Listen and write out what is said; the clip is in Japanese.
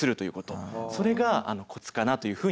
それがコツかなというふうに思います。